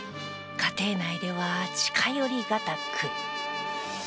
家庭内では近寄りがたく。